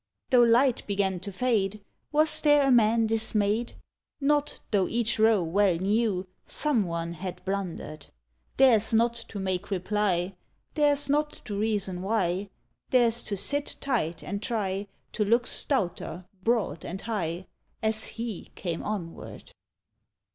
II. Though light began to fade, "Was there a man dismayed ? 54 Not tho' each row well knew Snme one had blunder'd ; Theirs not to make reply, Theirs not to reason why, Theirs to sit tight and try To look stouter, broad, and high. As he came onward.